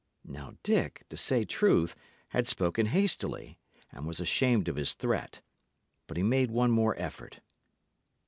Now, Dick, to say truth, had spoken hastily, and was ashamed of his threat. But he made one more effort.